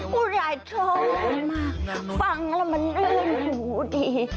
คุณใหญ่ชอบมากฟังแล้วมันเล่นหูดี